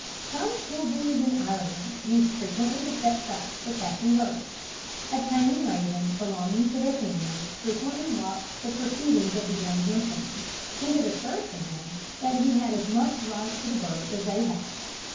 Some schoolboys in Ireland used frequently to set traps for catching birds. A tame raven belonging to their family frequently watched the proceedings of the young gentlemen, and it occurred to him that he had as much right to the birds as they had.